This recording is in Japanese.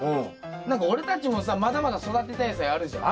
何か俺たちもさまだまだ育てたい野菜あるじゃん。